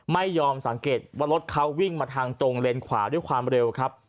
ไม่ยอมสังเกตว่ารถเขาวิ่งมาทางตรงเลนขวาด้วยความเร็วครับ